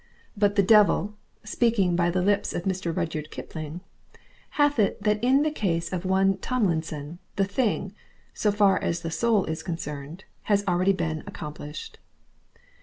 But the devil, speaking by the lips of Mr. Rudyard Kipling, hath it that in the case of one Tomlinson, the thing, so far as the soul is concerned, has already been accomplished.